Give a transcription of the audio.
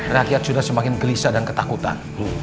rakyat sudah semakin gelisah dan ketakutan